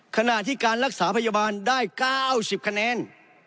ขณะที่การรักษาพยาบาลได้๙๐คะแนน